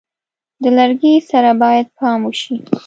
د لرګي سره باید پام وشي.